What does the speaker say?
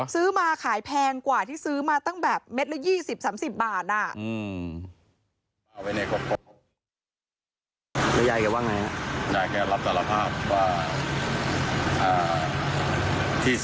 ซื้อมาขายแพงกว่าที่ซื้อมาตั้งแต่เม็ดละ๒๐๓๐บาท